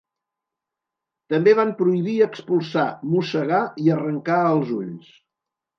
També van prohibir expulsar, mossegar i arrencar els ulls.